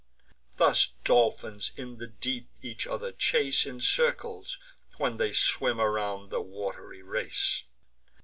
Thus dolphins in the deep each other chase In circles, when they swim around the wat'ry race.